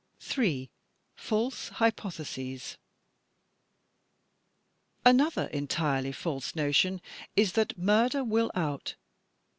J. False Hypotheses Another entirely false notion is that "Murder will out."